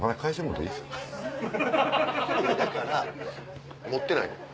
だから持ってない。